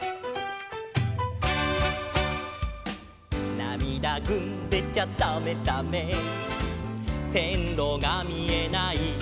「なみだぐんでちゃだめだめ」「せんろがみえない」